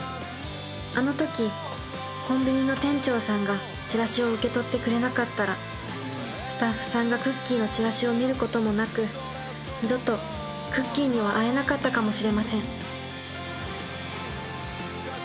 ［あのときコンビニの店長さんがチラシを受け取ってくれなかったらスタッフさんがクッキーのチラシを見ることもなく二度とクッキーには会えなかったかもしれません］